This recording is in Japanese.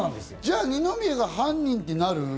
じゃあ、二宮が犯人ってなる？